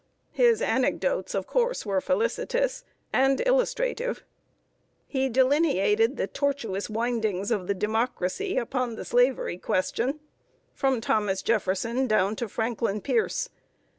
His anecdotes, of course, were felicitous and illustrative. He delineated the tortuous windings of the Democracy upon the Slavery question, from Thomas Jefferson down to Franklin Pierce.